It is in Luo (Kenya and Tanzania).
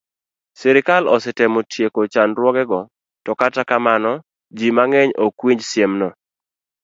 Sirkal osetemo tieko chandruogego, to kata kamano, ji mang'eny ok winj siemno.